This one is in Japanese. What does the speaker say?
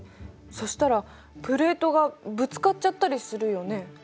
そしたらプレートがぶつかっちゃったりするよね。